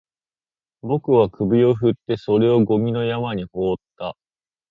僕は首を振って、それをゴミの山に放った